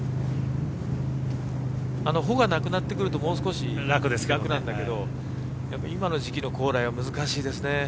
あの穂がなくなってくるともう少し楽なんだけどやっぱり今の時期の高麗は難しいですね。